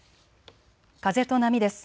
風と波です。